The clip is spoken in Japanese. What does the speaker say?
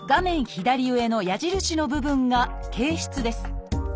左上の矢印の部分が憩室です。